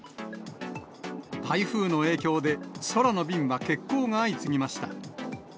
台風の影響で、空の便は欠航が相次ぎました。